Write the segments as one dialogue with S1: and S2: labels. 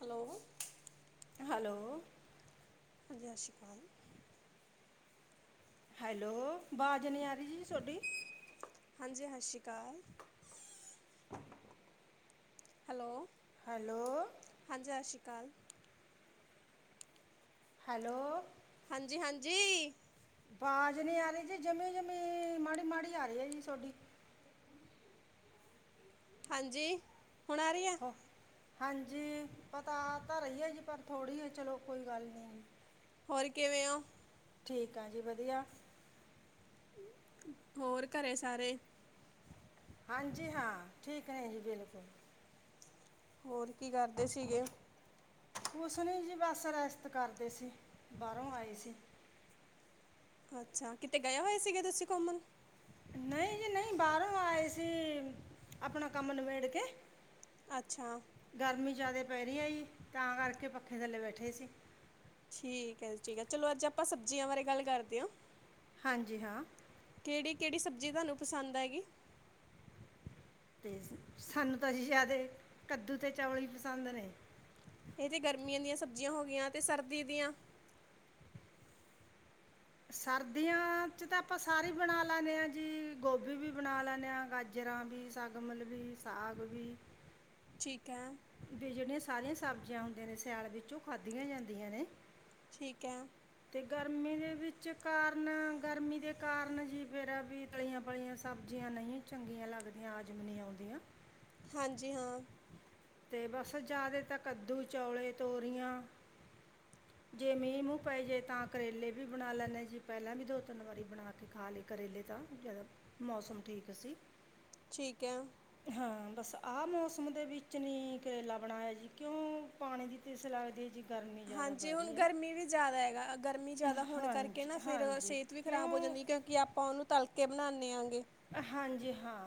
S1: Hello
S2: hello
S1: ਹਾਂਜੀ ਸਤਿ ਸ਼੍ਰੀ ਅਕਾਲ
S2: ਹੈਲੋ ਆਵਾਜ਼ ਨੀ ਆ ਰਹੀ ਜੀ ਤੁਹਾਡੀ
S1: ਹਾਂਜੀ ਸਤਿ ਸ਼੍ਰੀ ਹੈਲੋ
S2: ਹੈਲੋ
S1: ਕੱਲ
S2: ਹੈਲੋ।
S1: ਹਾਂਜੀ, ਹਾਂਜੀ।
S2: ਆਵਾਜ਼ ਨਹੀਂ ਆ ਰਹੀ ਜੀ, ਜਮੀ-ਜਮੀ, ਮਾੜੀ- ਮਾੜੀ ਆ ਰਹੀ ਹੈ। ਜੀ, ਥੋਡੀ
S1: ਹਾਂਜੀ, ਹੁਣ ਆ ਰਹੀ ਆ
S2: ਹੋ ਹਾਂਜੀ, ਪਤਾ ਆ ਤਾਂ ਰਹੀ ਹੈ। ਜੀ, ਪਰ ਥੋੜੀ ਹੈ ਚਲੋ ਕੋਈ ਗੱਲ ਨਹੀਂ।
S1: ਹੋਰ ਕਿਵੇਂ ਹੋ?
S2: ਠੀਕ ਆ ਜੀ, ਵਧੀਆ
S1: ਹੋਰ ਘਰੇ ਸਾਰੇ
S2: ਹਾਂਜੀ ਹਾਂ। ਠੀਕ ਨੇ, ਜੀ ਬਿਲਕੁਲ।
S1: ਹੋਰ ਕੀ ਕਰਦੇ ਸੀਗੇ?
S2: ਕੁਛ ਨੀ ਜੀ, ਬਸ ਰੈਸਟ ਕਰਦੇ ਸੀ, ਬਾਹਰੋਂ ਆਏ ਸੀ।
S1: ਅੱਛਾ ਕਿਤੇ ਗਏ ਹੋਏ ਸੀਗੇ ਤੁਸੀਂ ਘੁੰਮਣ
S2: ਨਹੀਂ ਜੀ ਨਹੀਂ ਬਾਹਰੋਂ ਆਏ ਸੀ ਆਪਣਾ ਕੰਮ ਨਬੇੜ ਕੇ
S1: ਅੱਛਾ।
S2: ਗਰਮੀ ਜ਼ਿਆਦਾ ਪੈਰ ਰਹੀ ਆ ਜੀ ਤਾਂ ਕਰਕੇ ਪੱਖੇ ਥੱਲੇ ਬੈਠੇ ਸੀ
S1: ਠੀਕ ਹੈ ਜੀ ਠੀਕ ਚਲੋ ਅੱਜ ਆਪਾਂ ਸਬਜ਼ੀਆਂ ਬਾਰੇ ਗੱਲ ਕਰਦੇ ਹਾਂ।
S2: ਹਾਂਜੀ ਹਾਂ।
S1: ਕਿਹੜੀ, ਕਿਹੜੀ ਸਬਜ਼ੀ ਤੁਹਾਨੂੰ ਪਸੰਦ ਹੈਗੀ।
S2: ਤੇ ਸਾਨੂੰ ਤਾਂ ਅਸੀ ਜ਼ਿਆਦੇ ਕੱਦੂ ਤੇ ਚਾਵਲ ਹੀ ਪਸੰਦ ਨੇ
S1: ਇਹ ਤੇ ਗਰਮੀਆਂ ਦੀਆਂ ਸਬਜ਼ੀਆਂ ਹੋ ਗਈਆਂ ਅਤੇ ਸਰਦੀ ਦੀਆਂ
S2: ਸਰਦੀਆਂ ਚ ਤਾਂ ਆਪਾਂ ਸਾਰੇ ਬਣਾ ਲੈਦੇ ਹਾਂ, ਜੀ ਗੋਭੀ ਵੀ ਬਣਾ ਲੈਦੇ ਹਾਂ ਗਾਜਰ ਤਰਾਂ, ਵੀ ਸਗਮਲ, ਵੀ ਸਾਗ ਵੀ
S1: ਠੀਕ ਹੈ
S2: ਵੀ ਜਿਹੜੀਆਂ ਸਾਰੀਆਂ ਸਬਜ਼ੀਆਂ ਹੁੰਦੀਆਂ ਨੇ, ਸਿਆਲ ਵਿੱਚ ਉਹ ਖਾਦੀਆ ਜਾਂਦੀਆਂ ਨੇ
S1: ਠੀਕ ਹੈ।
S2: ਤੇ ਗਰਮੀ ਦੇ ਵਿੱਚ ਕਾਰਨ, ਗਰਮੀ ਦੇ ਕਾਰਨ ਜੀ, ਮੇਰਾ ਵੀ ਤਲੀਆਂ ਪਲੀਆਂ ਸਬਜ਼ੀਆਂ ਨਹੀਂ ਚੰਗੀਆਂ ਲੱਗਦੀਆਂ ਹਜ਼ਮ ਨਹੀਂ ਆਉਂਦੀਆਂ
S1: ਹਾਂਜੀ, ਹਾਂ।
S2: ਤੇ ਬਸ ਜ਼ਿਆਦੇ ਤੇ ਕੱਦੂ, ਚੌਲੇ ਤੋਰੀਆਂ
S1: [unintelligible]
S2: ਜੇ ਮੀਂਹ -ਮੂੰਹ ਪੈ ਜੇ ਤਾਂ ਕਰੇਲੇ ਵੀ ਬਣਾ ਲੈਂਦੇ ਜੀ। ਪਹਿਲਾਂ ਵੀ ਦੋ -ਤਿੰਨ ਵਾਰੀ ਬਣਾ ਕੇ ਖਾ ਲਏ ਕਰੇਲੇ ਤਾਂ ਜਿਆਦਾ ਮੌਸਮ ਠੀਕ ਸੀ।
S1: ਠੀਕ ਹੈ।
S2: ਹਾਂ, ਬਸ ਆਹ ਮੌਸਮ ਦੇ ਵਿੱਚ ਚ, ਨੀ ਕਰੇਲਾ ਬਣਾਇਆ ਜੀ, ਕਿਉਂ ਪਾਣੀ ਦੀ ਤ੍ਰੇਸ ਲੱਗਦੀ ਹੈ ਜੀ ਗਰਮੀ ਜ਼ਿਆਦਾ
S1: ਹਾਂਜੀ।
S2: ਪੈ
S1: ਹੁਣ
S2: ਰਹੀ ਹੈ
S1: ਗਰਮੀ ਵੀ ਜ਼ਿਆਦਾ ਹੈਗਾ, ਗਰਮੀ ਜਿਆਦਾ ਹੋਣ ਕਰਕੇ
S2: ਹਾਂਜੀ
S1: ਨਾ ਫਿਰ
S2: ਹਾਂਜੀ
S1: ਸਿਹਤ ਵੀ ਖ਼ਰਾਬ ਹੋ
S2: ਕਿਉਂ
S1: ਜਾਂਦੀ ਕਿਉਂਕਿ ਆਪਾਂ ਉਹਨੂੰ ਤਲਕੇ ਬਣਾਉਂਨੇ ਹਾਂ
S2: ਹਾਂਜੀ ਹਾਂ।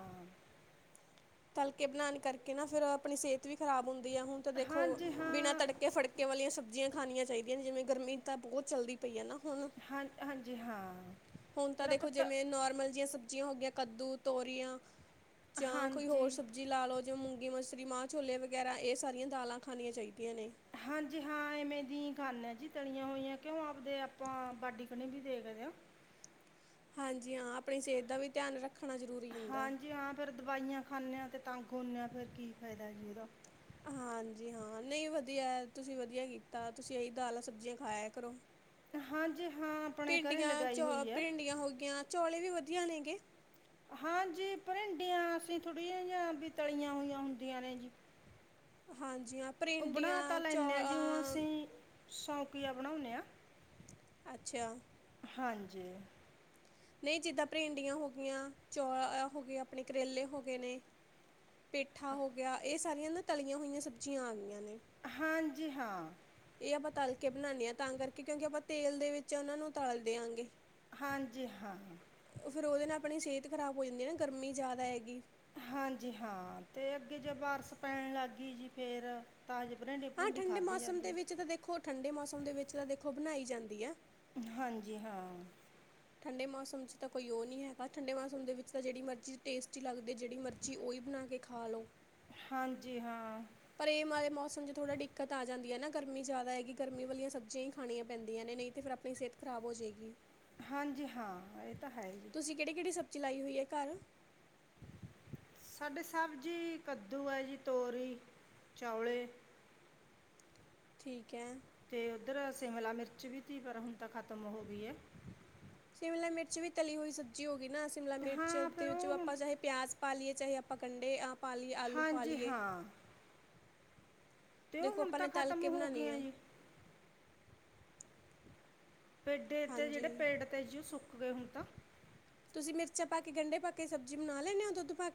S1: ਤਲਕੇ ਬਣਾਉਣ ਕਰਕੇ ਨਾ ਫਿਰ, ਆਪਣੀ ਸਿਹਤ ਵੀ ਖ਼ਰਾਬ ਹੁੰਦੀ ਹੁਣ ਤਾਂ ਦੇਖੋ
S2: ਹਾਂਜੀ
S1: ਬਿਨਾਂ
S2: ਹਾਂ
S1: ਤੜਕੇ, ਫੜਕੇ ਵਾਲੀਆਂ ਸਬ ਜੀਆਂ ਖਾਣੀਆਂ ਚਾਹੀਦੀਆਂ ਨੇ, ਜਿਵੇਂ ਗਰਮੀ ਤਾਂ ਬਹੁਤ ਚੱਲਦੀ ਪਈ ਹੈ ਨਾ ਹੁਣ
S2: ਹਾਂ, ਹਾਂਜੀ ਹਾਂ।
S1: ਹੁਣ ਤਾਂ
S2: ਫਿਰ ਆਪਾਂ
S1: ਦੇਖੋ
S2: ਤ
S1: ਜਿਵੇਂ ਨੋਰਮਲ ਜਿਹੀਆਂ ਸਬਜ਼ੀਆਂ ਹੋ ਗਈਆਂ ਕੱਦੂ, ਤੋਰੀਆਂ ਜਾਂ ਕੋਈ
S2: ਹਾਂਜੀ
S1: ਹੋਰ ਸਬਜ਼ੀ ਲਾ ਲਓ, ਜਾ ਮੂੰਗੀ ਮਸਰੀ, ਮਾਂ ਛੋਲੇ ਵਗੈਰਾ ਇਹ ਸਾਰੀਆਂ ਦਾਲਾਂ ਖਣੀਆਂ ਚਾਹੀਦੀਆਂ। ਨੇ
S2: ਹਾਂਜੀ ਹਾਂ। ਇਵੇਂ ਦੀ ਹੀ ਖਾਨੇ ਜੀ, ਤਲੀਆਂ ਹੋਈਆਂ, ਕਿਉਂ ਆਪਦੇ ਆਪਾਂ ਬਾਡੀ ਕਨੀ ਵੀ ਦੇਖਦੇ ਹਾਂ।
S1: ਹਾਂਜੀ ਹਾਂ। ਆਪਣੀ ਸਿਹਤ ਦਾ ਵੀ ਧਿਆਨ ਰੱਖ
S2: ਹਾਂਜੀ ਹਾਂ ਫਿਰ ਦਵਾਈਆਂ ਖਾਂਨੇ ਆ, ਤੇ ਤੰਗ ਹੋਨੇ ਆ ਫਿਰ ਕੀ ਫਾਇਦਾ ਜੀ ਉਹਦਾ
S1: ਹਾਂਜੀ ਹਾਂ। ਨਹੀਂ ਵਧੀਆ, ਤੁਸੀਂ ਵਧੀਆ ਕੀਤਾ ਤੁਸੀਂ ਇਹੀ ਦਾਲਾਂ ਸਬਜ਼ੀਆਂ ਖਾਇਆ ਕਰੋ।
S2: ਹਾਂਜੀ ਹਾਂ ਆਪਣੇ ਘਰੇ
S1: ਭਿੰਡੀਆਂ ਚ
S2: ਲਗਾਈ ਹੋਈ ਹੈ
S1: ਭਿੰਡੀਆਂ ਹੋ ਗਈਆਂ, ਚੌਲੇ ਵੀ ਵਧੀਆ ਨੇਗੇ।
S2: ਹਾਂਜੀ ਭਰਿੰਡੀਆਂ ਅਸੀਂ ਥੋੜੀਆਂ ਜਿਹੀਆਂ ਵੀ ਤਲੀਆਂ ਹੋਈਆਂ ਹੁੰਦੀਆਂ ਨੇ ਜੀ।
S1: ਹਾਂਜੀ ਹਾਂ
S2: ਉਹ
S1: ਭਰਿੰਡੀਆਂ
S2: ਬਣਾ ਤਾਂ
S1: ਚੌ
S2: ਲੈਨ ਆ ਜੀਉ
S1: ਅ
S2: ਅਸੀਂ ਸੌਕੀਆ ਬਣਾਉਂਦੇ ਆ
S1: ਅੱਛਾ
S2: ਹਾਂਜੀ
S1: ਨਹੀਂ ਜਿੱਦਾਂ ਭਿੰਡੀਆਂ ਹੋ ਗਈਆਂ ਚੌ ਹੋ ਗਏ ਆਪਣੇ ਕਰੇਲੇ ਹੋ ਗਏ ਨੇ ਪੇਠਾ
S2: ਹ-
S1: ਹੋ ਗਿਆ ਇਹ ਸਾਰੀਆਂ ਨਾ ਤਲੀਆਂ ਹੋਈਆਂ ਸਬਜ਼ੀਆਂ ਆ ਗਈਆਂ ਨੇ
S2: ਹਾਂਜੀ ਹਾਂ
S1: ਇਹ ਆਪਾਂ ਤਲ ਕੇ ਬਣਾਣੇ ਆ ਤਾਂ ਕਰਕੇ ਕਿਉਂਕਿ ਆਪਾਂ ਤੇਲ ਦੇ ਵਿੱਚ ਉਹਨਾਂ ਨੂੰ ਤਲ ਦਿਆਂਗੇ
S2: ਹਾਂਜੀ ਹਾਂ
S1: ਫਿਰ ਉਹਦੇ ਨਾਲ ਆਪਣੀ ਸਿਹਤ ਖ਼ਰਾਬ ਹੋ ਜਾਂਦੀ ਨਾ ਗਰਮੀ ਜ਼ਿਆਦਾ ਹੈਗੀ
S2: ਹਾਂਜੀ ਹਾਂ ਤੇ ਅੱਗੇ ਜੇ ਬਾਰਸ ਪੈਣ ਲੱਗ ਗਈ ਜੀ ਫੇਰ
S1: ਹਾਂ ਠੰਡੇ ਮੌਸਮ ਦੇ ਵਿੱਚ, ਤਾਂ ਦੇਖੋ ਠੰਡੇ ਮੌਸਮ ਦੇ ਵਿੱਚ ਤਾਂ ਦੇਖੋ ਬਣਾਈ ਜਾਂਦੀ ਆ।
S2: ਹਾਂਜੀ ਹਾਂ।
S1: ਠੰਡੇ ਮੌਸਮ ਚ ਤਾਂ ਕੋਈ ਉਹ ਨਹੀਂ ਹੈਗਾ, ਠੰਡੇ ਮੌਸਮ ਦੇ ਵਿੱਚ ਤਾਂ ਜਿਹੜੀ ਮਰਜ਼ੀ ਟੇਸਟੀ ਲੱਗਦੇ ਜਿਹੜੀ ਮਰਜ਼ੀ ਉਹੀ ਬ ਬਣਾ ਕੇ ਖਾ ਲੋੋ
S2: ਹਾਂਜੀ, ਹਾਂ।
S1: ਪਰ ਇਹ ਮ ਮੌਸਮ ਚ ਥੋੜਾ ਦਿੱਕਤ ਆ ਜਾਂਦੀ ਹੈ ਨਾ, ਗਰਮੀ ਜ਼ਿਆਦਾ ਹੈਗੀ, ਗਰਮੀ ਵਾਲੀਆਂ ਸਬਜ਼ੀਆਂ ਹੀ ਖਾਣੀਆਂ ਪੈਂਦੀਆਂ ਨੇ। ਨਹੀਂ ਤੇ ਫਿਰ ਆਪਣੀ ਸਿਹਤ ਖ਼ਰਾਬ ਹੋ ਜਾਏਗੀ।
S2: ਹਾਂਜੀ ਹਾਂ। ਇਹ ਤਾਂ ਹੈ। ਜੀ
S1: ਚਲਾਈ ਹੋਈ ਹੈ ਘਰ
S2: ਸਾਡੇ ਸਬਜੀ ਕੱਦੂ ਹੈ ਜੀ, ਤੋਰੀ ਚੌਲੇ
S1: ਠੀਕ ਹੈ।
S2: ਤੇ ਉੱਧਰ ਸ਼ਿਮਲਾ ਮਿਰਚ ਵੀ ਤੀ ਪਰ ਹੁਣ ਤਾਂ ਖਤਮ ਹੋ ਗਈ ਹੈ
S1: ਸ਼ਿਮਲਾ ਮਿਰਚ ਵੀ ਤਲੀ ਹੋਈ ਸਬਜ਼ੀ ਹੋ ਗਈ ਨਾ ਸ਼ਿਮਲਾ ਮਿਰਚ
S2: ਹਾਂ ਫਿਰ
S1: ਦੇ
S2: ਉਹ ਹੁਣ
S1: ਆਪਾਂ ਚਾਹੇ ਪਿਆਜ ਪਾ ਲਈਏ। ਚਾਹੇ ਆਪਾਂ ਕੰਢੇ ਆ ਪਾ ਲਈਏ ਆਲੂ ਪਾ
S2: ਹਾਂਜੀ
S1: ਲਈਏ
S2: ਤੇ ਉਹ
S1: ਦੇਖੋ
S2: ਹੁਣ
S1: ਆਪਾਂ ਨੇ
S2: ਤਾਂ
S1: ਤਲ
S2: ਖਤਮ
S1: ਕੇ
S2: ਹੋ ਗ
S1: ਬਣਾਉਣੀ ਆ
S2: ਜੀ ਤੇ ਜਿਹੜੇ
S1: ਹਾਂਜੀ।
S2: ਪੇਡ ਤੇ ਸੀ ਉਹ ਸੁੱਕ ਗਏ ਹੁਣ ਤਾਂ
S1: ਤੁਸੀਂ ਮਿਰਚਾਂ ਪਾ ਕੇ ਗੰਢੇ ਪਾ ਕੇ ਸਬਜ਼ੀ ਬਣਾ ਲਦੇ ਹੋ ਦੁੱਧ ਪਾ ਕੇ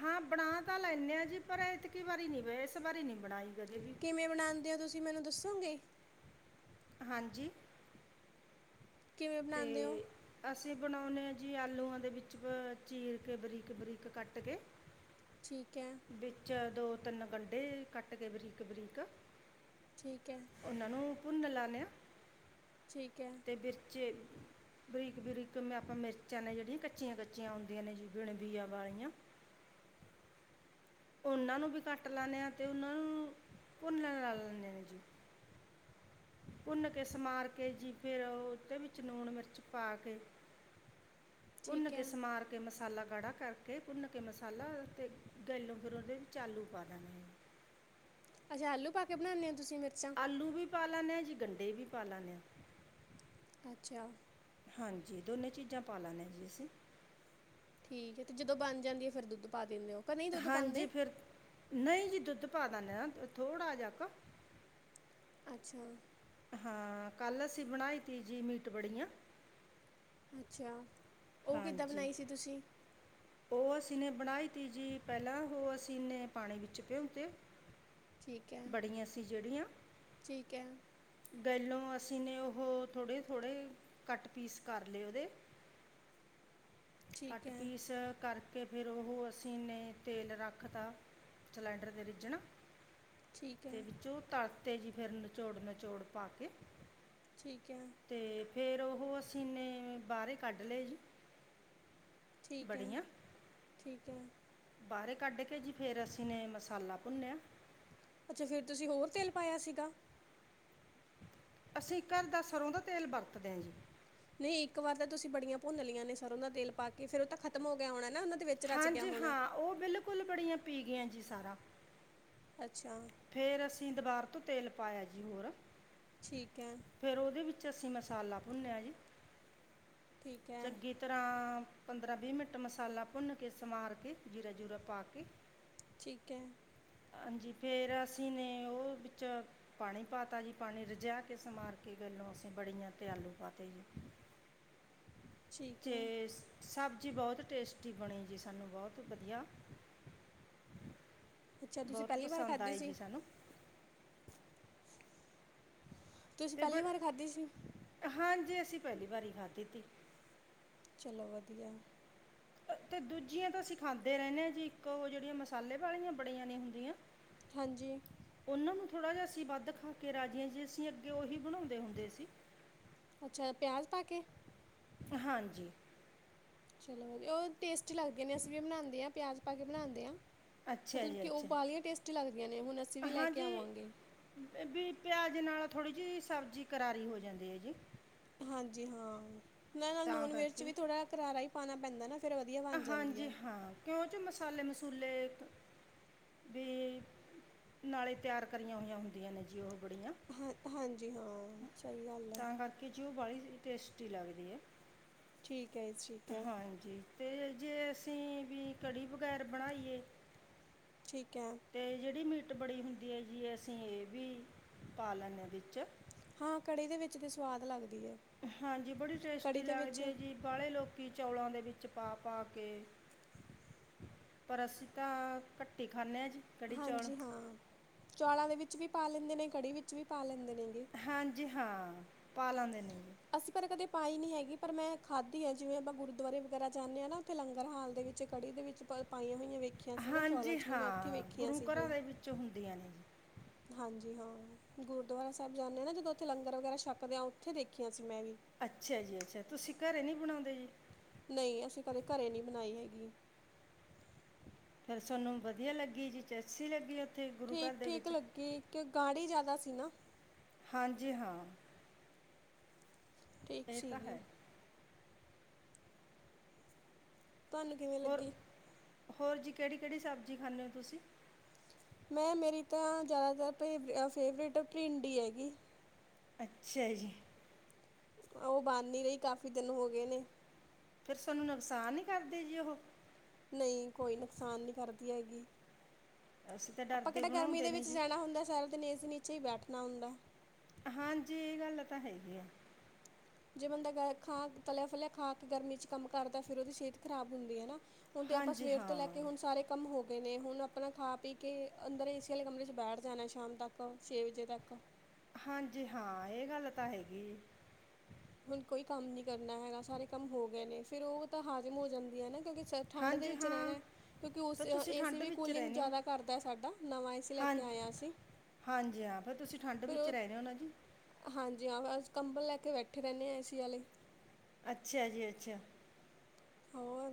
S2: ਹਾਂ ਬਣਾ ਤਾਂ ਲੈਂਨ ਆ ਜੀ ਪਰ ਇਤਕੀ ਵਾਰੀ ਨੀ ਇਸ ਵਾਰੀ ਨੀ ਬਣਾਈ ਕਦੇ ਵੀ
S1: ਕਿਵੇਂ ਬਣਾਉਂਦੇ ਹੋ ਤੁਸੀਂ ਮੈਨੂੰ ਦੱਸੋਗੇ
S2: ਹਾਂਜੀ
S1: ਕਿਵੇਂ ਬਣਾਉਂਦੇ ਹੋ
S2: ਬਣਾਉਦੇ ਆ ਜੀ ਆਲੂਆਂ ਦੇ ਵਿੱਚ ਚੀਰ ਕੇ ਬਰੀਕ ਬਰੀਕ ਕੱਟ ਕੇ
S1: ਠੀਕ ਹੈ
S2: ਵਿੱਚ ਦੋ ਤਿੰਨ ਗੰਢੇ ਕੱਟ ਕੇ ਬਰੀਕ ਬਰੀਕ
S1: ਠੀਕ ਹੈ
S2: ਪੁੁੰਨ ਲ ਨੇ ਅਤੇ ਮਿਰਚੇ
S1: ਹ
S2: ਬਰੀਕ ਬਰੀਕ ਆਪਾਂ ਮਿਰਚਾਂ ਨੇ ਜਿਹੜੀਆਂ ਕੱਚੀਆਂ ਕੱਚੀਆਂ ਆਉਂਦੀਆਂ ਨੇ ਜੀ ਬਿਣ ਬੀਆ ਵਾਲੀਆਂ ਉਹਨਾਂ ਨੂੰ ਵੀ ਕੱਟ ਲਾੇ ਆ ਤੇ ਉਹਨਾਂ ਨੂੰ ਭੁੰਨ ਲਾ ਲੈਂ ਨੇ ਜੀ ਭੁੰਨ ਕੇ ਸਮਾਰ ਕੇ ਜੀ ਫੇਿਰ ਉਹਦੇ ਵਿੱਚ ਲੂਣ ਮਿਰਚ ਪਾ ਕੇ
S1: ਹ
S2: ਭੁੰਨ ਕੇ ਸਮਾਰ ਕੇ ਮਸਾਲਾ ਗਾੜਾ ਕਰਕੇ ਕੇ ਭੁੰਨ ਕੇ ਮਸਾਲਾ ਤੇ ਗਾਇਲੋਂ ਫਿਰ ਉਹਦੇ ਵਿੱਚ ਆਲੂ ਪਾ ਦੇਣਾ ਸੀ
S1: ਅੱਛਾ ਆਲੂ ਪਾ ਕੇ ਬਣਾਦੇ ਹ
S2: ਆਲੂ ਵੀ ਪਾ ਲੈਂਦੇ ਆਾਂ ਜੇ ਗੰਡੇ ਵੀ ਪਾ ਲੈਦੇੇ ਆ
S1: ਅੱਛਾ
S2: ਹਾਂਜੀ ਦੋਨੇ ਚੀਜ਼ਾਂ ਪਾ ਲੈਦੇ ਜੀ ਅਸੀਂ।
S1: ਠੀਕ ਹੈ ਤੇ ਜਦੋਂ ਬਣ ਜਾਂਦੀ ਹੈ ਫੇਰ ਦੁੱਧ ਪਾ ਦਿੰਦੇ ਹੋ ਕਿ ਨਹੀਂ ਦੁੱਧ
S2: ਹਾਂਜੀ
S1: ਪਾਉਂਦੇ
S2: ਫਿਰ ਨਹੀਂ ਜੀ ਦੁੱਧ ਪਾ ਦਦੇ ਨਾ ਥੋੜਾ ਜਿਹਾ ਕ
S1: ਅੱਛਾ।
S2: ਹਾਂ ਕੱਲ ਅਸੀਂ ਬਣਾਈ ਤੀ ਜੀ ਮੀਟ ਬੜੀਆਂ।
S1: ਅੱਛਾ ਉਹ ਕਿੱਦਾਂ
S2: ਹਾਂਜੀ
S1: ਬਣਾਈ ਸੀ ਤੁਸੀਂ?
S2: ਉਹ ਅਸੀਂ ਨੇ ਬਣਾਈ ਤੀ ਜੀ ਪਹਿਲਾਂ ਉਹ ਅਸੀਂ ਨੇ ਪਾਣੀ ਵਿੱਚ ਭਿਉਂ ਤੇ।
S1: ਠੀਕ ਹੈ
S2: ਬੜੀਆਂ ਅਸੀਂ ਜਿਹੜੀਆਂ
S1: ਠੀਕ ਹੈ
S2: ਪਹਿਲੋਂ ਅਸੀਂ ਨੇ ਉਹ ਥੋੜੇ-ਥੋੜੇ ਕੱਟ ਪੀਸ ਕਰ ਲਏ ਉਹਦੇ।
S1: [inaudible] ਠੀਕ
S2: ਕੱਟ
S1: ਹੈ
S2: ਪੀਸ ਕਰ ਕਿ ਫਿਰ ਉਹ ਅਸੀਂਨ ਨੇ ਤੇਲ ਰੱਖ ਤਾ ਸਿਲੰਡਰ 'ਤੇ ਰਿੱਝਣਾ
S1: ਠੀਕ
S2: ਤੇ
S1: ਹੈ
S2: ਵਿੱਚੋਂ ਤਰਤੇ ਜੀ ਫਿਰ ਨਿਚੋੜ ਨਚੋੜ ਪਾ ਕੇ
S1: ਠੀਕ ਹੈ।
S2: ਫੇਰ ਉਹ ਅਸੀਂਨੇ ਬਾਹਰੇ ਕੱਢ ਲਏ ਜੀ
S1: ਠੀਕ ਹੈ-
S2: ਬੜੀਆਂ
S1: ਠੀਕ ਹੈ।
S2: ਬਾਹਰ ਕੱਢ ਕੇ ਜੀ ਫਿਰ ਅਸੀਂ ਨੇ ਮਸਾਲਾ ਭੁੰਨਿਆ
S1: ਅੱਛਾ ਫਿਰ ਤੁਸੀਂ ਹੋਰ ਤੇਲ ਪਾਇਆ ਸੀਗਾ।
S2: ਅਸੀਂ ਘਰ ਦਾ ਸਰ੍ਹੋਂ ਦਾ ਤੇਲ ਵਰਤਦੇ ਹਾਂ ਜੀ।
S1: ਨਹੀਂ ਇੱਕ ਵਾਰ ਤਾਂ ਤੁਸੀਂ ਬੜੀਆਂ ਭੁੰਨ ਲਈੀਆਂ ਨੇ ਸਰੋਂ ਦਾ ਤੇਲ ਪਾ ਕੇ ਫਿਰਰ ਉਹ ਤਾਂ ਖਤਮ ਹੋ ਗਿਆ ਹੋਣਾ ਨਾ ਉਹਨਾਂ ਦੇ ਵਿੱਚ ਰਚ ਗਿਆ
S2: ਹਾਂਜੀ
S1: ਹੋਣਾ
S2: ਹਾਂ, ਉਹ ਬਿਲਕੁਲ ਬੜੀਆਂ ਪੀ ਗਈਆਂ ਜੀ ਸਾਰਾ।
S1: ਅੱਛਾ।
S2: ਫਿਰ ਅਸੀਂ ਦੁਬਾਰਾ ਤੋਂ ਤੇਲ ਪਾਇਆ ਜੀ ਹੋਰ।
S1: ਠੀਕ ਹੈ।
S2: ਚ ਅਸੀਂ ਮਸਾਲਾ ਭੁੰਨਿਆ ਜੀ।
S1: ਠੀਕ ਹੈ
S2: ਚੰਗੀ ਤਰ੍ਹਾਂ ਪੰਦਰਾਂ ਵੀਹ ਮਿੰਟ ਮਸਾਲਾ ਭੁੰਨ ਕੇ ਸੰਵਾਰ ਕੇ ਜੀਰਾ-ਜੀਰਾ ਪਾ ਕੇ।
S1: ਠੀਕ ਹੈ।
S2: ਹਾਂਜੀ ਫਿਰ ਅਸੀਂ ਨੇ ਉਹ ਵਿੱਚ ਪਾਣੀ ਪਾ ਤਾ ਜੀ ਪਾਣੀ ਰਜਾ ਕੇ ਸੰਵਾਰ ਕੇ ਗ ਲ ਅਸੀਂ ਬੜੀਆਂ ਤਿਆਲੂ ਪਾਤੇ।
S1: ਹ [inaudible]
S2: ਜੇ ਸਭ ਜ਼ੀ ਬਹੁਤ ਟੇਸਟੀ ਬਣੀ ਜੀ ਸਾਨੂੰ ਬਹੁਤ ਵਧੀਆ
S1: ਅੱਛਾ ਤੁਸੀਂ
S2: ਬਹੁਤ
S1: ਪਹਿਲੀ ਵਾਰ
S2: ਪਸੰਦ
S1: ਖਾਧੀ
S2: ਆਏ
S1: ਸੀ
S2: ਜੀ ਸਾਨੂੰ।
S1: ਤੁਸੀਂ
S2: ਤੇ ਬੜ
S1: ਪਹਿਲੀ ਵਾਰ ਖਾਧੀ ਸੀ
S2: ਹਾਂਜੀ ਅਸੀਂ ਪਹਿਲੀ ਵਾਰੀ ਖਾਧੀ ਤੀ।
S1: ਚਲੋ ਵਧੀਆ।
S2: ਤੇ ਦੂਜੀਆਂ ਤੋਂ ਅਸੀਂ ਖਾਂਦੇ ਰਹਿੰਦੇ ਹਾਂ ਜੀ। ਇੱਕ ਉਹ ਜਿਹੜੀਆਂ ਮਸਾਲੇ ਵਾਲੀਆਂ ਬੜੀਆਂ ਨੇ ਹੁੰਦੀਆਂ।
S1: ਹਾਂਜੀ।
S2: ਥੋੜ੍ਹਾ ਜਿਹਾ ਅਸੀਂ ਵੱਧ ਖਾ ਕੇ ਰਾਜੇ ਜੇ ਅਸੀਂ ਅੱਗੇ ਉਹੀ ਬਣਾਉਂਦੇ ਹੁੰਦੇ ਸੀ।
S1: ਅੱਛਾ ਪਿਆਜ ਪਾ ਕੇ?
S2: ਹਾਂਜੀ।
S1: ਚਲੋ ਉਹ ਟੇਸਟੀ ਲੱਗਦੇ ਨੇ। ਅਸੀਂ ਵੀ ਬਣਾਉਂਦੇ ਹਾਂ ਪਿਆਜ ਪਾ ਕੇ ਬਣਾਉਂਦੇ ਹਾਂ।
S2: ਅੱਛਾ
S1: ਮਤਲਬ
S2: ਜੀ
S1: ਕਿ ਉਹ
S2: ਅੱਛਾ
S1: ਬਾਹਲੀਆਂ ਟੇਸਟੀ ਲੱਗਦੀਆਂ ਨੇ ਹੁਣ ਅਸੀਂ ਵੀ ਲੈ ਕੇ
S2: ਹਾਂਜੀ
S1: ਆਵਾਂਗੇ।
S2: ਵੀ ਪਿਆਜ ਨਾਲ ਥੋੜੀ ਜਿਹੀ ਸਬਜ਼ੀ ਕਰਾਰੀ ਹੋ ਜਾਂਦੀ ਹੈ ਜੀ।
S1: ਹਾਂਜੀ ਹਾਂ ਉਹ ਨਾਲ
S2: ਤਾਂ
S1: ਨੋਨ ਵੈਜ ਚ
S2: ਕਰਕੇ
S1: ਵੀ ਥੋੜ੍ਹਾ ਕਰਾਰਾ ਹੀ ਪਾਉਣਾ ਪੈਂਦਾ ਨਾ। ਫਿਰ ਵਧੀਆ ਬਣ ਜਾਂਦੀ
S2: ਹਾਂਜੀ
S1: ਆ
S2: ਹਾਂ ਕਿਉਂ ਚ ਮਸਾਲੇ ਮਸ ਚੁਲੇ ਵੀ ਨਾਲੇ ਤਿਆਰ ਕਰੀਆਂ ਹੋਈਆਂ ਹੁੰਦੀਆਂ ਨੇ ਜੀ ਉਹ। ਬੜੀਆਂ
S1: ਹਾਂ ਹਾਂਜੀ ਹਾਂ ਸਹੀ ਗੱਲ ਹੈ।
S2: ਬੜੀ ਟੇਸਟੀ ਲੱਗਦੀ ਹੈ।
S1: ਠੀਕ ਹੈ। ਠੀਕ ਹੈ।
S2: ਤੇ ਜੇ ਅਸੀਂ ਵੀ ਕੜੀ ਵਗੈਰ ਬਣਾਈਏ
S1: ਠੀਕ ਹੈ
S2: ਤੇ ਜਿਹੜੀ ਮੀਟ ਬੜੀ ਹੁੰਦੀ ਹੈ ਜੀ ਅਸੀਂ ਇਹ ਵੀ ਪਾ ਲੈਂਦੇ ਹਾਂ ਵਿੱਚ
S1: ਹਾਂ ਕੜੀ ਦੇ ਵਿੱਚ ਤੇ ਸਵਾਦ ਲੱਗਦਾ
S2: ਹਾਂਜੀ। ਬੜੀ ਟੇਸਟੀ ਲੱਗਦੀ ਹੈ ਜੀ ਬਾਹਲੇ ਲੋਕੀ ਚੌਲਾਂ ਦੇ ਵਿੱਚ ਪਾ ਪਾ ਕੇ ਪਰ ਅਸੀਂ ਤਾਂ ਘੱਟੀ ਖਾਂਨੇ ਹਾਂ ਜੀ ਕੜੀ ਚੌਲ
S1: ਹਾਂਜੀ ਹਾਂ ਚੌਲਾਂ ਦੇ ਵਿੱਚ ਵੀ ਪਾ ਲੈਂਦੇ ਨੇ ਕੜੀ ਵਿੱਚ ਵੀ ਪਾ ਲੈਂਦੇ ਨੇਗੇ
S2: ਜੀ ਹਾਂ ਪਾਲਾਂਦੇ ਨੇ ਜੀ
S1: ਅਸੀਂ ਪਰ ਕਦੇ ਪਾਈ ਨੀ ਹੈਗੀ। ਪਰ ਮੈਂ ਖਾਧੀ ਆ ਜਿਵੇਂ ਆਪਾਂ ਗੁਰਦੁਆਰੇ ਵਗੈਰਾ ਜਾਂਦੇ ਹਾਂ ਨਾ ਉਥੇ ਲੰਗਰ ਹਾਲ ਦੇ ਵਿੱਚ ਕੜੀ ਦੇ ਵਿੱਚ ਪਾਈਆਂ ਹੋਈਆਂ ਵੇਖੀਆਂ ਸੀ ਮੈਂ ਚੌਲਾਂ
S2: ਹਾਂਜੀ
S1: ਚ ਵੀ ਮੈਂ ਉੱਥੇ
S2: ਹਾਂ
S1: ਵੇਖੀਆਂ
S2: ਗੁਰੂ ਘਰਾਂ
S1: ਸੀਗੀਆਂ
S2: ਦੇ ਵਿੱਚ ਹੁੰਦੀਆਂ ਨੇ ਜੀ
S1: ਹਾਂਜੀ ਹਾਂ ਗੁਰਦੁਆਰਾ ਸਾਹਿਬ ਜਾਂਦੇ ਨਾ ਜਦੋਂ ਉੱਥੇ ਲੰਗਰ ਵਗੈਰਾ ਛਕਦੇ ਆ ਉੱਥੇ ਦੇਖੀਆਂ ਸੀ ਮੈਂ ਵੀ
S2: ਅੱਛਾ ਜੀ ਅੱਛਾ। ਤੁਸੀਂ ਘਰੇ ਨਹੀਂ ਬਣਾਉਂਦੇ ਜੀ।
S1: ਨਹੀਂ ਅਸੀਂ ਕਦੇ ਘਰੇ ਨਹੀਂ ਬਣਾਈ ਹੈਗੀ।
S2: ਸਾਨੂੰ ਵਧੀਆ ਲੱਗੀ ਜੀ, ਅੱਛੀ ਲੱਗੀ। ਉੱਥੇ ਗੁਰੂ ਘਰ
S1: ਠੀਕ,
S2: ਦੇ
S1: ਠੀਕ
S2: ਵਿੱਚ
S1: ਲੱਗੀ ਕਿ ਗਾੜੀ ਜਿਆਦਾ ਸੀ ਨਾ।
S2: ਹਾਂਜੀ ਹਾਂ।
S1: ਠੀਕ
S2: ਇਹ ਤਾਂ
S1: ਸੀਗੀ।
S2: ਹੈ
S1: ਤੁਹਾਨੂੰ ਕਿਵੇਂ
S2: ਹੋਰ
S1: ਲੱਗੀ?
S2: ਹੋਰ ਜੀ ਕਿਹੜੀ, ਕਿਹੜੀ ਸਬਜ਼ੀ ਖਾਂਦੇ ਹੋ ਤੁਸੀਂ?
S1: ਮੈਂ ਮੇਰੀ ਤਾਂ ਜ਼ਿਆਦਾਤਰ ਫੇਵਰੇਟ ਭਿੰਡੀ ਹੈਗੀ।
S2: ਅੱਛਾ ਜੀ।
S1: ਉਹ ਬਣ ਨਹੀਂ ਰਹੀ ਕਾਫੀ ਦਿਨ ਹੋ ਗਏ ਨੇ।
S2: ਫੇਿਰ ਸਾਨੂੰ ਨੁਕਸਾਨ ਨੀ ਕਰਦੇ ਜੀ ਉਹ
S1: ਨਹੀਂ ਕੋਈ ਨੁਕਸਾਨ ਨਹੀਂ ਕਰਦੀ ਹੈਗੀ।
S2: ਅਸੀਂ ਤਾਂ
S1: ਆਪਾਂ
S2: ਡਰਦੇ
S1: ਕਿਹੜਾ ਗਰਮੀ
S2: ਬਣਾਉਂਦੇ
S1: ਦੇ
S2: ਨੇ
S1: ਵਿੱਚ
S2: ਜੀ
S1: ਜਾਣਾ ਹੁੰਦਾ ਹੈ ਸੈਰ ਦੇ ਨੇ ਇਸ ਦੇ ਨੀਚੇ ਹੀ ਬੈਠਣਾ ਹੁੰਦਾ ਹੈ।
S2: ਹਾਂਜੀ। ਇਹ ਗੱਲ ਤਾਂ ਹੈਗੀ ਆ।
S1: ਜੇ ਬੰਦਾ ਗ ਖਾ ਤਲਿਆ ਫਲਿਆ ਖਾ ਕੇ ਗਰਮੀ ਚ ਕੰਮ ਕਰਦਾ ਫਿਰ ਉਹਦੀ ਸਿਹਤ ਖਰਾਬ ਹੁੰਦੀ ਹੈ ਨਾ ਹੁਣ ਤੇ ਆਪਾਂ
S2: ਹਾਂਜੀ
S1: ਸਵੇਰ ਤੋਂ
S2: ਹਾਂ
S1: ਲੈ ਕੇ ਹੁਣ ਸਾਰੇ ਕੰਮ ਹੋ ਗ ਨੇ ਹੁਣ ਆਪਣਾ ਖਾ ਪੀ ਕੇ ਅੰਦਰ ਏਸੀ ਵਾਲੇ ਕਮਰੇ ਚ ਬੈਠ ਜਾਣਾ ਸ਼ਾਮ ਤੱਕ ਛੇ ਵਜੇ ਤੱਕ
S2: ਹਾਂਜੀ ਹਾਂ। ਇਹ ਗੱਲ ਤਾਂ ਹੈਗੀ।
S1: ਹੁਣ ਕੋਈ ਕੰਮ ਨੀ ਕਰਨਾ ਹੈਗਾ ਸਾਰੇ ਕੰਮ ਹੋ ਗਏ ਨੇ ਫੇਿਰ ਉਹ ਤਾਂ ਹਾਜ਼ਮ ਹੋ ਜਾਂਦੀ ਹੈ ਨਾ ਕਿਉਂਕਿ ਸ ਠੰਡ ਦੇ
S2: ਹਾਂਜੀ
S1: ਵਿੱਚ ਰਹਿਣਾ
S2: ਹਾਂ
S1: ਹੈ ਕਿਉਂਕਿ ਉਸ
S2: ਫਿਰ ਤੁਸੀਂ
S1: ਏ ਸੀ
S2: ਠੰਡ
S1: ਵੀ
S2: ਵਿੱਚ
S1: ਕੂਲਿੰਗ
S2: ਰਹਿੰਦੇ ਹੋ
S1: ਜਿਆਦਾ ਕਰਦਾ ਸਾਡਾ ਨਵਾਂ ਏ ਸੀ ਲੈ [unintelligible] ਕੇ
S2: ਹਾਂਜੀ
S1: ਆਇਆ ਸੀ।
S2: ਹਾਂਜੀ ਹਾਂ। ਫਿਰ ਤੁਸੀਂ ਠੰਡ ਵਿੱਚ ਰਹਿ ਰਹੇ ਹੋ ਨਾ ਜੀ।
S1: ਹਾਂਜੀ ਹਾਂ। ਅ ਕੰਬਲ ਲੈ ਕੇ ਬੈਠੇ ਰਹਿੰਦੇ ਹਾਂ ਏ ਸੀ ਵਾਲੇ
S2: ਅੱਛਾ ਜੀ ਅੱਛਾ।
S1: ਹੋਰ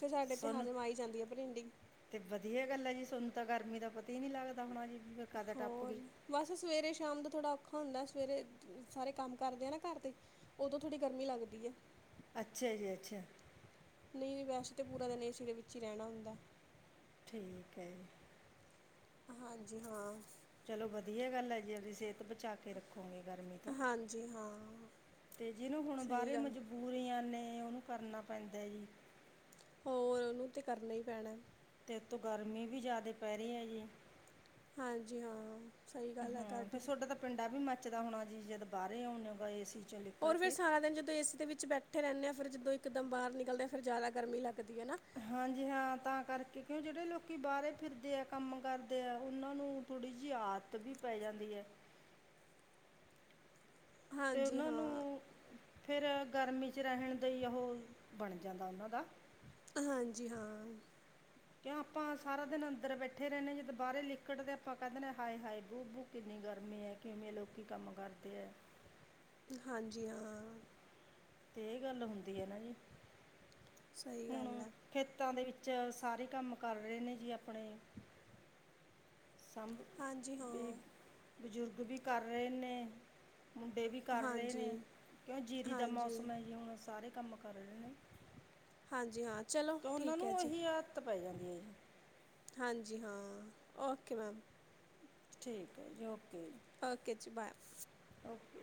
S1: ਫਿਰ ਸਾਡੇ ਤੇ
S2: ਸਾਨੂੰ
S1: ਹਜ਼ਮ ਆਈ ਜਾਂਦੀ ਆ ਪਰਿੰਡੀਿੰ
S2: ਤੇ ਵਧੀਆ ਗੱਲ ਹੈ ਜੀ ਸਾਨੂੰ ਤਾਂ ਗਰਮੀ ਦਾ ਪਤਾ ਹੀ ਨੀ ਲੱਗਦਾ ਹੋਣਾ ਜੀ ਵੀ ਕਦ ਟੱਪ
S1: ਹੋਰ
S2: ਗਈ
S1: ਬਸ ਸਵੇਰੇ ਸ਼ਾਮ ਦਾ ਥੋੜਾ ਔਖਾ ਹੁੰਦਾ ਸਵੇਰੇ ਸਾਰੇ ਕੰਮ ਕਰਦੇ ਆ ਨਾ ਘਰ ਤੇ ਉਦੋਂ ਥੋੜ੍ਹੀ ਗਰਮੀ ਲੱਗਦੀ ਹੈ।
S2: ਅੱਛਾ ਜੀ ਅੱਛਾ।
S1: ਨਹੀਂ, ਨਹੀਂ ਵੈਸੇ ਤਾਂ ਪੂਰਾ ਦਿਨ ਏ ਸਰੇ ਵਿੱਚ ਹੀ ਰਹਿਣਾ ਹੁੰਦਾ
S2: ਠੀਕ ਹੈ ਜੀ।
S1: ਹਾਂਜੀ ਹਾਂ।
S2: ਚਲੋ ਵਧੀਆ ਗੱਲ ਹੈ। ਜੀ ਆਪਦੀ ਸਿਹਤ ਬਚਾ ਕੇ ਰੱਖੋਗੇ ਗਰਮੀ ਤੋਂ
S1: ਹਾਂਜੀ ਹਾਂ
S2: ਤੇ ਜਿਹਨੂੰ ਹੁਣ
S1: ਸਹੀ
S2: ਬਾਹਰੇ
S1: ਗੱਲ
S2: ਮਜਬੂਰੀਆਂ ਨੇ ਉਹਨੂੰ ਕਰਨਾ ਪੈਂਦਾ ਜੀ।
S1: ਹੋਰ ਉਹਨੂੰ ਤੇ ਕਰਨਾ ਹੀ ਪੈਣਾ
S2: ਤੋਂ ਗਰਮੀ ਵੀ ਜ਼ਿਆਦਾ ਪੈ ਰਹੀ ਹੈ ਜੀ
S1: ਹਾਂਜੀ ਹਾਂ। ਸਹੀ ਗੱਲ ਹੈ
S2: ਹਾਂ ਫਰ
S1: ਤੁਹਾਡੀ
S2: ਤੁਹਾਡਾ ਤਾਂ ਪਿੰਡਾ ਵੀ ਮੱਚਦਾ ਹੋਣਾ ਜੀ ਜਦ ਬਾਹਰੇ ਆਉਣੇਗਾ ਏਸੀ ਚੋਂ ਨਿਕਲ
S1: ਹੋਰ ਫਿਰ
S2: ਕੇ
S1: ਸਾਰਾ ਦਿਨ ਜਦੋਂ ਏਸੀ ਦੇ ਵਿੱਚ ਬੈਠੇ ਰਹਿੰਦੇ ਆ ਫਿਰ ਜਦੋਂ ਇੱਕਦਮ ਬਾਹਰ ਨਿਕਲਦੇ ਆ ਫਰ ਜ਼ਿਆਦਾ ਗਰਮੀ ਲੱਗਦੀ ਹੈ ਨਾ
S2: ਹਾਂਜੀ ਹਾਂ ਤਾਂ ਕਰਕੇ ਕਿਉਂ ਜਿਹੜੇ ਲੋਕੀ ਬਾਹਰੇ ਫਿਰਦੇ ਆ ਕੰਮ ਕਰਦੇ ਆ ਉਹਨਾਂ ਨੂੰ ਥੋੜ੍ਹੀ ਜਿਹੀ ਆਦਤ ਵੀ ਪੈ ਜਾਂਦੀ ਹੈ ਤੇ
S1: ਹਾਂਜੀ
S2: ਉਹਨਾਂ
S1: ਹਾਂ
S2: ਨੂੰ ਫੇਰ ਗਰਮੀ ਚ ਰਹਿਣ ਦਾ ਉਹ ਬਣ ਜਾਂਦਾ ਉਹਨਾਂ ਦਾ,
S1: ਹਾਂਜੀ ਹਾਂ,
S2: ਕਿਉਂ ਆਪਾਂ ਸਾਰਾ ਦਿਨ ਅੰਦਰ ਬੈਠੇ ਰਹਿੰਦੇ ਜਦ ਬਾਰੇ ਲਿਕੜਦੇ ਤੇ ਆਪਾਂ ਕਹਿੰਦੇ ਹਾਏ-ਹਏ ਬੂ ਬੂ ਕਿੰਨੀ ਗਰਮੀ ਹੈ ਕਿਵੇਂ ਲੋਕੀ ਕੰਮ ਕਰਦੇ ਹੈ।
S1: ਹਾਂਜੀ ਹਾਂ,
S2: ਤੇ ਇਹ ਗੱਲ ਹੁੰਦੀ ਹੈ ਨਾ ਜੀ
S1: ਸਹੀ ਗੱਲ
S2: ਹੁਣ
S1: ਹੈ
S2: ਖੇਤਾਂ ਦੇ ਵਿੱਚ, ਚ ਸਾਰੇ ਕੰਮ ਕਰ ਰਹੇ ਨੇ ਜੀ ਆਪਣੇ ਸਭ
S1: ਹਾਂਜੀ
S2: ਵੀ
S1: ਹਾਂ
S2: ਬਜ਼ੁਰਗ ਵੀ ਕਰ ਰਹੇ ਨੇ ਮੁੰਡੇ ਵੀ ਕਰ ਰਹੇ
S1: ਹਾਂਜੀ
S2: ਨੇ ਕਿਉਂ ਜੀਰੀ ਦਾ
S1: ਹਾਂਜੀ
S2: ਮੌਸਮ ਹੈ ਜੀ ਹੁਣ ਸਾਰੇ ਕੰਮ ਕਰ ਨੇ
S1: ਹਾਂਜੀ ਹਾਂ ਚਲੋ
S2: ਤੇ ਉਹਨਾਂ
S1: ਠੀਕ
S2: ਨੂੰ
S1: ਹੈ ਜੀ
S2: ਉਹੀ ਆਦਤ ਪੈ ਜਾਂਦੀ ਹੈ ਜੀ
S1: ਹਾਂਜੀ ਹਾਂ ਓਕੇ ਮੈਮ
S2: ਠੀਕ ਹੈ ਜੀ ਓਕੇ ਜੀ
S1: ਓਕੇ ਜੀ ਬਾਏ,
S2: ਓਕੇ,